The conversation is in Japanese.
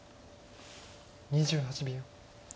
２８秒。